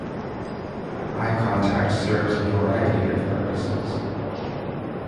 Eye contact serves a variety of purposes.